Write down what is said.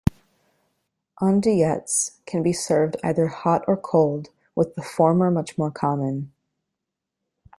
Andouillettes can be served either hot or cold, with the former much more common.